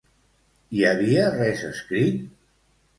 Hi havia res escrit?